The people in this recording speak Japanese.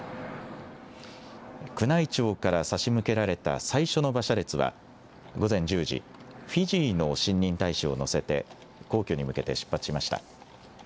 宮内庁から差し向けられた最初の馬車列は午前１０時、フィジーの新任大使を乗せて、皇居に向けて出発しました。